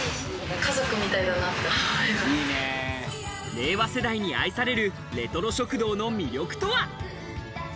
令和世代に愛されるレトロ食堂の魅力とは？